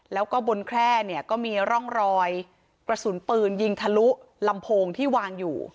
แล้วก็บนแคร่เนี่ยก็มีร่องรอยกระสุนปืนยิงทะลุลำโพงที่วางอยู่